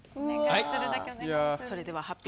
それでは発表を。